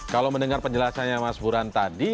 kalau mendengar penjelasannya mas buran tadi